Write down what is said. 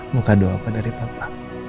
mau kado apa dari papa